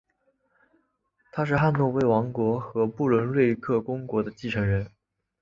他是汉诺威王国和不伦瑞克公国的继承人。